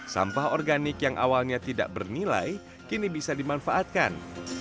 sampah organik yang awalnya tidak bernilai kini bisa dimanfaatkan